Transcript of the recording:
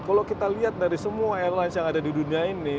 kalau kita lihat dari semua airlines yang ada di dunia ini